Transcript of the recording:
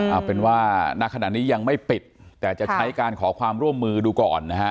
เอาเป็นว่าณขณะนี้ยังไม่ปิดแต่จะใช้การขอความร่วมมือดูก่อนนะฮะ